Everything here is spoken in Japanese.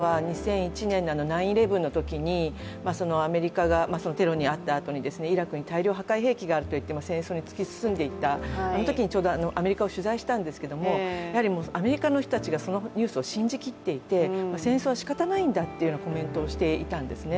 このニュースを聞いて思い出すのは２００１年の９．１１のときに、アメリカがテロにあったときにイラクに大量破壊兵器があるといって戦争に突き進んでいった、あのときにちょうどアメリカを取材したんですけれどもやはりアメリカの人たちがそのニュースを信じ切っていて、戦争はしかたないんだというようなコメントをしていたんですね。